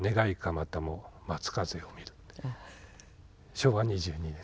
昭和２２年。